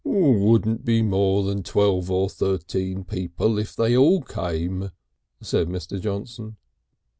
"Wouldn't be more than twelve or thirteen people if they all came," said Mr. Johnson.